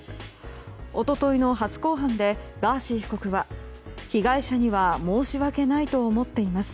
一昨日の初公判でガーシー被告は被害者には申し訳ないと思っています。